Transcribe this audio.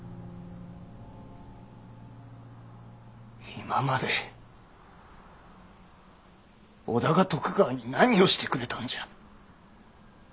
今まで織田が徳川に何をしてくれたんじゃ。